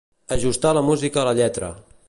Ajustar la música a la lletra.